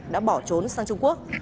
đã bỏ trốn sang trung quốc